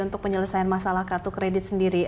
untuk penyelesaian masalah kartu kredit sendiri